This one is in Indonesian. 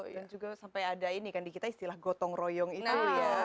dan juga sampai ada ini kan di kita istilah gotong royong itu